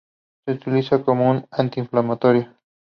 Se utiliza como un anti-inflamatorio.